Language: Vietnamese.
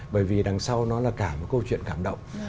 bởi vì đằng sau nó là cả một câu chuyện cảm động